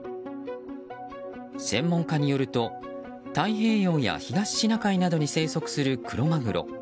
専門家によると太平洋や東シナ海などに生息するクロマグロ。